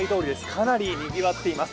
かなりにぎわっています。